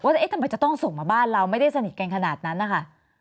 ทำไมจะต้องส่งมาบ้านเราไม่ได้สนิทกันขนาดนั้นนะคะ